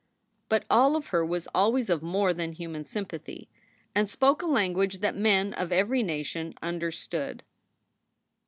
But all of her was always of more than human sympathy, and spoke a language that men of every nation understood.